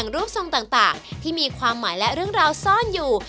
รูปทรงต่างที่มีความหมายและเรื่องราวซ่อนอยู่